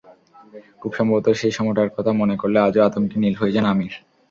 খুব সম্ভবত সেই সময়টার কথা মনে করলে আজও আতঙ্কে নীল হয়ে যান আমির।